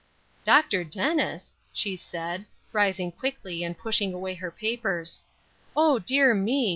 "Dr. Dennis!" she said, rising quickly and pushing away her papers. "Oh, dear me!